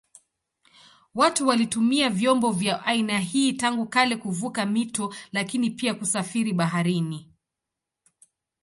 Watu walitumia vyombo vya aina hii tangu kale kuvuka mito lakini pia kusafiri baharini.